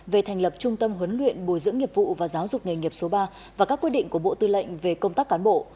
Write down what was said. về thành lập trung tâm huấn luyện bồi dưỡng nghiệp vụ và giáo dục nghề nghiệp số ba và các quyết định của bộ tư lệnh về công tác cán bộ